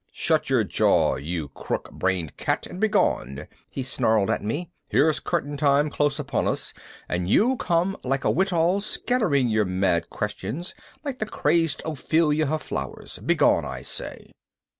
"Shut your jaw, you crook brained cat, and begone!" he snarled at me. "Here's curtain time close upon us, and you come like a wittol scattering your mad questions like the crazed Ophelia her flowers. Begone, I say!"